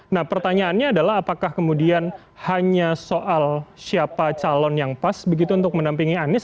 nah pertanyaannya adalah apakah kemudian hanya soal siapa calon yang pas begitu untuk menampingi anies